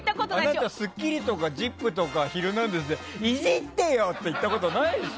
あなた「スッキリ」とか「ＺＩＰ！」とか「ヒルナンデス！」でいじってよ！って言ったことないでしょ。